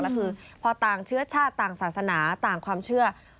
แล้วคือพอต่างเชื้อชาติต่างศาสนาต่างความเชื่อ